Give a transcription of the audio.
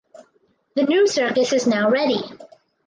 The new circus is now ready.